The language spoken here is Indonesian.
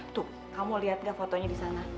tuh kamu lihat gak fotonya di sana